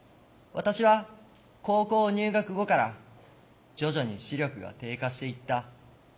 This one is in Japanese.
私は高校入学後から徐々に視力が低下していった。